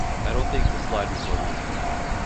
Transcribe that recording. I don't think the slide will go on.